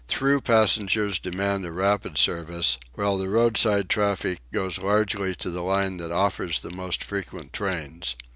"Through" passengers demand a rapid service; while the roadside traffic goes largely to the line that offers the most frequent trains.